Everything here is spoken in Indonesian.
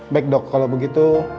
baik dok kalau begitu